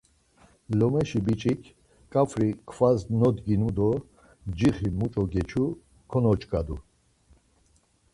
Lomeşi biç̌ik ǩafri kvas nodginu do mcixi muç̌o geçu konoç̌ǩadu.